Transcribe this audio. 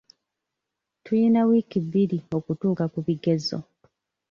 Tuyina wiiki bbiri okutuuka ku bigezo.